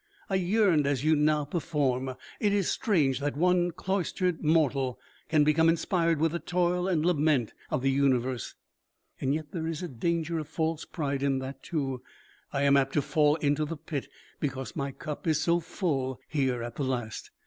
"I yearned as you now perform. It is strange that one cloistered mortal can become inspired with the toil and lament of the universe. Yet there is a danger of false pride in that, too. I am apt to fall into the pit because my cup is so full here at the last.